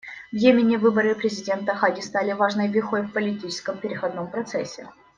В Йемене выборы президента Хади стали важной вехой в политическом переходном процессе.